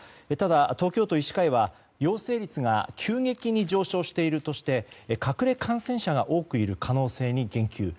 ただ、東京都医師会は陽性率が急激に上昇しているとして隠れ感染者が多くいる可能性に言及。